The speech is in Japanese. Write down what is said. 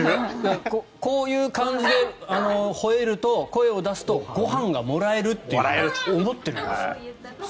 こういう感じでほえると声を出すと、ご飯がもらえると思ってるんです。